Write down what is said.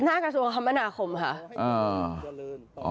หน้ากระทรวงคมธนาคมค่ะ